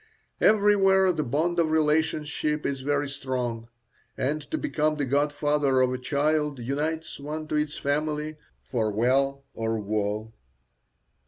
Everywhere the bond of relationship is very strong, and to become the godfather of a child unites one to its family for weal or woe.